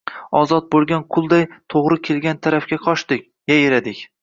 ozod bo’lgan qulday to’g’ri kelgan tarafga qochdik – yayradik.